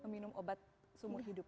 meminum obat seumur hidup